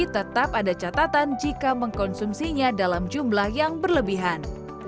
tetap ada catatan jika mengkonsumsinya dalam jumlah yang berlebihan